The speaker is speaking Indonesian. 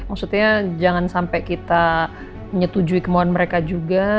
maksudnya jangan sampai kita menyetujui kemauan mereka juga